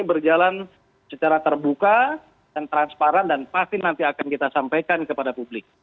berjalan secara terbuka dan transparan dan pasti nanti akan kita sampaikan kepada publik